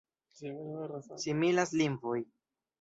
Similas lingvoj.